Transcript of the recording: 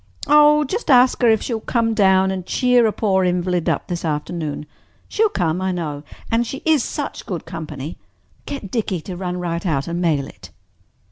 "Oh, just ask her if she will come down and cheer a poor invalid up this afternoon. She'll come, I know. And she is such good company. Get Dickie to run right out and mail it."